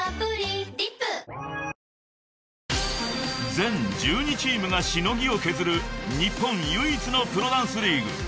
［全１２チームがしのぎを削る日本唯一のプロダンスリーグ］